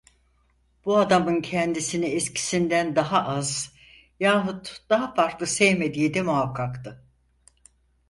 Bu adamın kendisini eskisinden daha az, yahut daha farklı sevmediği de muhakkaktı…